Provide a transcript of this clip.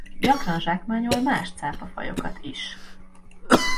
Gyakran zsákmányol más cápafajokat is.